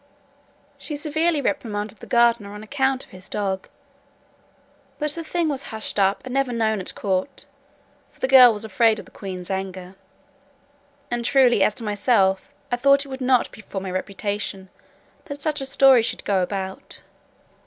She severely reprimanded the gardener on account of his dog. But the thing was hushed up, and never known at court, for the girl was afraid of the queen's anger; and truly, as to myself, I thought it would not be for my reputation, that such a story should go about.